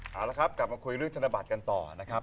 เอาละครับกลับมาคุยเรื่องธนบัตรกันต่อนะครับ